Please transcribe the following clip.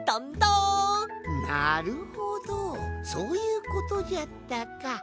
なるほどそういうことじゃったか。